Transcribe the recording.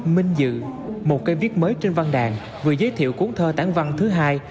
minh dự một cây viết mới trên văn đàn vừa giới thiệu cuốn thơ tán văn thứ hai